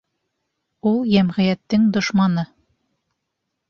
Ул йәмғиәттең дошманы!